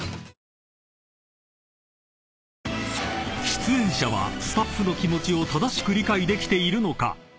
［出演者はスタッフの気持ちを正しく理解できているのか？］